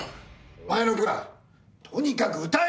お前の曲だとにかく歌え！